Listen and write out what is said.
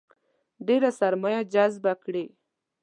ډېره سرمایه جذبه کړي.